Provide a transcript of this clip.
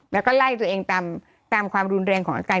แล้วก็ไล่ตัวเองตามความรุนแรงของอาการ